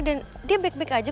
dia baik baik aja